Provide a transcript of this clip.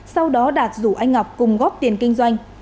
sau đó đạt rủ anh ngọc cùng góp tiền kinh doanh